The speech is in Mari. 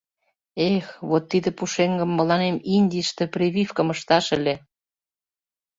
Эх, вот тиде пушеҥгым мыланем Индийыште прививкым ышташ ыле!..